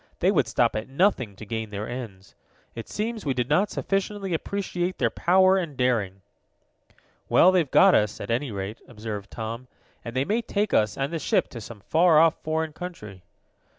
They would stop at nothing to gain their ends. It seems we did not sufficiently appreciate their power and daring." "Well, they've got us, at any rate," observed Tom, "and they may take us and the ship to some far off foreign country."